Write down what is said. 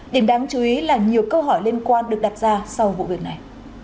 điểm đáng chú ý là nhiều câu hỏi liên quan được đặt ra sau vụ việc này